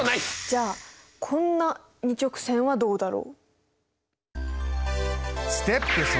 じゃあこんな２直線はどうだろう？